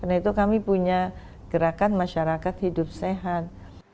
karena itu kami punya gerakan masyarakat hidup sehat